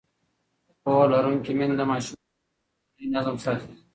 پوهه لرونکې میندې د ماشومانو ورځنی نظم ساتي.